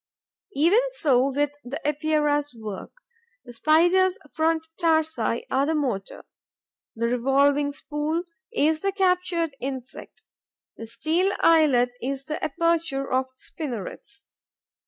Even so with the Epeira's work. The Spider's front tarsi are the motor; the revolving spool is the captured insect; the steel eyelet is the aperture of the spinnerets.